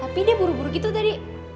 tapi dia buru buru gitu tadi